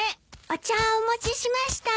お茶をお持ちしました。